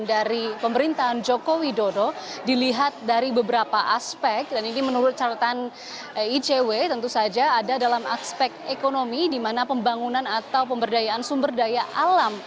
dan dari pemerintahan jokowi dodo dilihat dari beberapa aspek dan ini menurut catatan ijw tentu saja ada dalam aspek ekonomi di mana pembangunan atau pemberdayaan sumber daya alam